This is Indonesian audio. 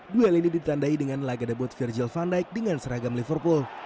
duel ini ditandai dengan laga debut virgil van dijk dengan seragam liverpool